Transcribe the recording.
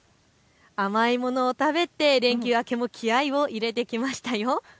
甘いものを食べて連休明けも気合いを入れてきましたよ。